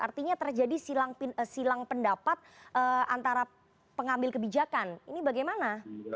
artinya terjadi silang pendapat antara pengambil kebijakan ini bagaimana